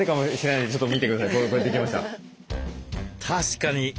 確かに。